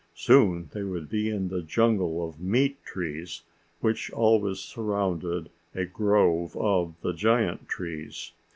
Soon they would be in the jungle of meat trees which always surrounded a grove of the giant trees.